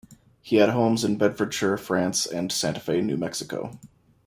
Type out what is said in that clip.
He had homes in Bedfordshire, France, and Santa Fe, New Mexico.